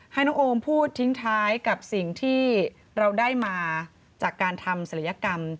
ให้น้องโอมพูดทิ้งท้ายกับสิ่งที่เราได้มาจากการทำศัลยกรรม